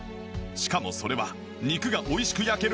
しかもそれは肉がおいしく焼ける温度。